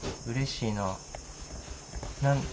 うれしいな。